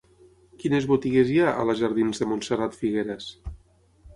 Quines botigues hi ha a la jardins de Montserrat Figueras?